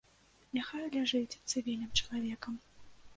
Няхай ляжыць цывільным чалавекам.